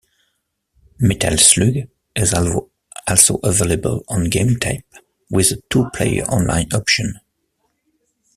"Metal Slug" is also available on GameTap, with a two-player online option.